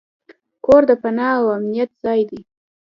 کور د پناه او امنیت ځای دی.